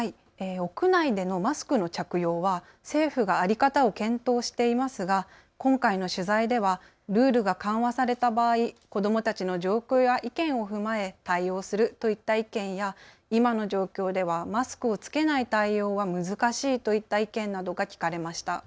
屋内でのマスクの着用は政府が在り方を検討していますが今回の取材ではルールが緩和された場合、子どもたちの状況や意見を踏まえ対応するといった意見や今の状況ではマスクを着けない対応は難しいといった意見などが聞かれました。